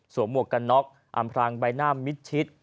หมวกกันน็อกอำพรางใบหน้ามิดชิด